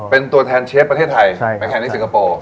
เป็นตัวแทนเชฟประเทศไทยไปแข่งที่สิงคโปร์